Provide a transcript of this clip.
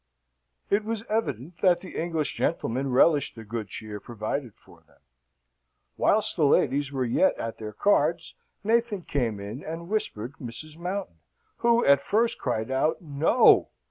It was evident that the English gentlemen relished the good cheer provided for them. Whilst the ladies were yet at their cards, Nathan came in and whispered Mrs. Mountain, who at first cried out "No!